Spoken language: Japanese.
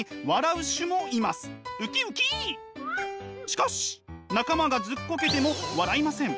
しかし仲間がずっこけても笑いません。